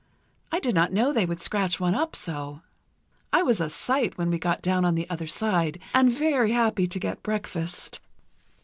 I did not know they would scratch one up so. I was a sight when we got down on the other side, and very happy to get breakfast."